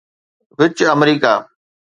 وچ آمريڪا